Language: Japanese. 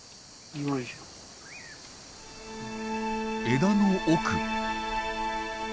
枝の奥。